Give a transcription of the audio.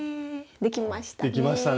できましたね。